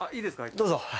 どうぞ。